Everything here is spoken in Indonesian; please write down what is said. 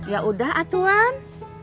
ya udah atuan